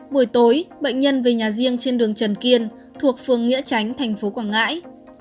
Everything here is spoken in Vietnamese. buổi tối bệnh nhân về nhà riêng trên đường trần kiên thuộc phường nghĩa tránh tp quảng ngãi